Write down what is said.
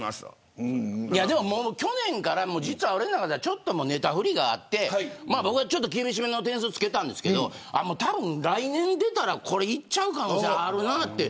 もう、去年から俺の中ではネタ振りがあって僕は、ちょっと厳しめの点数付けたんですけど多分、来年出たらいっちゃう可能性あるなって。